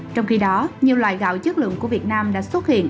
trong khi đó nhiều loại gạo chất lượng của việt nam đã xuất hiện